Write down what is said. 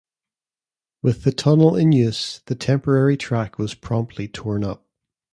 With the tunnel in use, the temporary track was promptly torn up.